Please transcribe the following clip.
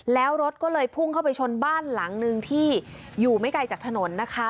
แล้วรถก็เลยพุ่งเข้าไปชนบ้านหลังนึงที่อยู่ไม่ไกลจากถนนนะคะ